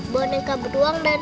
bonekanya lucu banget